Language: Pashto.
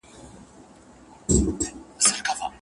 هغه لوبې نه پرېښودې.